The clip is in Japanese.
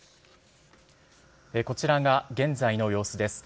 こちらが現在の様子です。